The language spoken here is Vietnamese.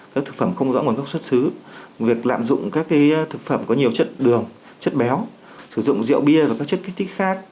các thực phẩm không rõ nguồn gốc xuất xứ việc lạm dụng các thực phẩm có nhiều chất đường chất béo sử dụng rượu bia và các chất kích thích khác